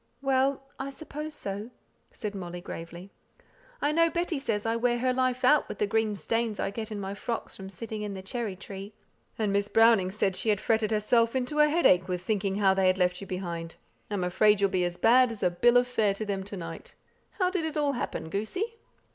"Well! I suppose so," said Molly, gravely. "I know Betty says I wear her life out with the green stains I get in my frocks from sitting in the cherry tree." "And Miss Browning said she had fretted herself into a headache with thinking how they had left you behind. I'm afraid you'll be as bad as a bill of fare to them to night. How did it all happen, goosey?"